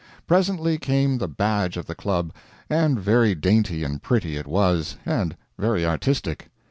Presently came the badge of the Club, and very dainty and pretty it was; and very artistic.